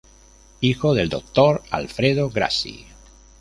Hijo del Dr. Alfredo Grassi.